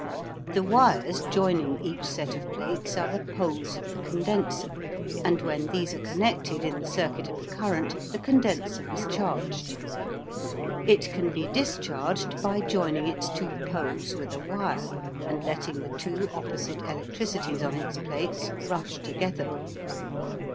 The wires joining each set of plates are the poles of the condenser, and when these are connected in the circuit of a current the condenser is charged. It can be discharged by joining its two poles with a wire, and letting the two opposite electricities on its plates rush together.